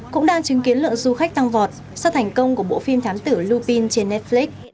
cũng đang chứng kiến lượng du khách tăng vọt sau thành công của bộ phim thám tử lupin trên netflix